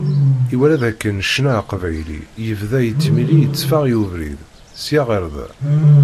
Iwala d akken ccna aqbayli yebda yettmili iteffeɣ i ubrid, sya ɣer da.